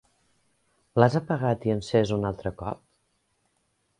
L'has apagat i encès un altre cop?